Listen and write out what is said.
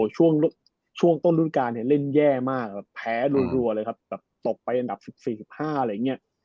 ช่วงต้นรุ่นการเนี่ยเล่นแย่มากแบบแพ้รัวเลยครับแบบตกไปอันดับ๑๔๑๕อะไรอย่างนี้